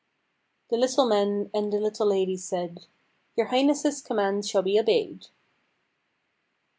The little men and the little ladies said: "Your Highness's commands shall be obeyed."